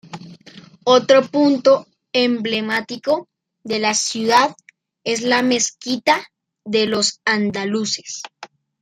Otro punto emblemático de la ciudad es la Mezquita de los Andaluces.